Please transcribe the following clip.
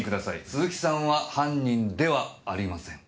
鈴木さんは犯人ではありません。